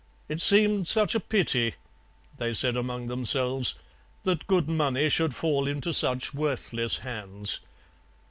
It seemed such a pity, they said among themselves, that good money should fall into such worthless hands.